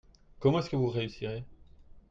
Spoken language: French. Comment est-ce que vous réussirez ?